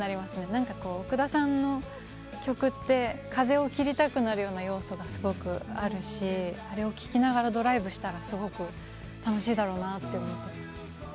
何かこう奥田さんの曲って風を切りたくなるような要素がすごくあるしあれを聴きながらドライブしたらすごく楽しいだろうなあって思ってます。